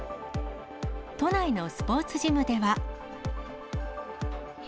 都内のスポーツジムでは。